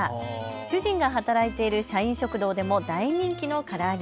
主人が働いている社員食堂でも大人気のから揚げ。